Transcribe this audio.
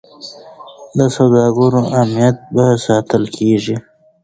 د سوداګرو امنیت به ساتل کیږي.